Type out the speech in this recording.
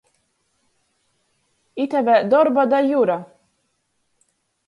Ite vēļ dorba da Jura.